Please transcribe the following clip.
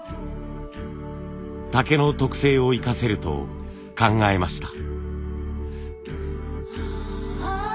竹の特性を生かせると考えました。